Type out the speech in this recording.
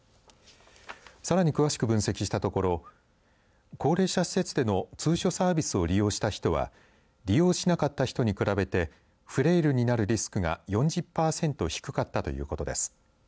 さらに詳しく分析したところ高齢者施設での通所サービスを利用した人は利用しなかった人に比べてフレイルになるリスクが４０パーセント低かったということです。